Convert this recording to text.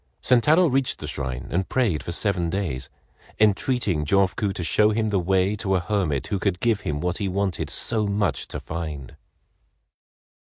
Sentaro reached the shrine and prayed for seven days, entreating Jofuku to show him the way to a hermit who could give him what he wanted so much to find.